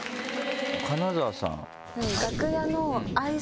金澤さん。